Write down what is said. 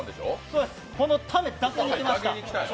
そうです、このためだけに来ました！